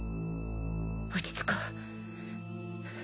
落ち着こう